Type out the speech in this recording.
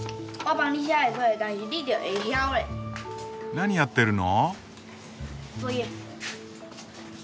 何やってるの？